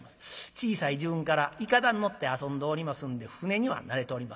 小さい時分からいかだに乗って遊んでおりますんで舟には慣れております。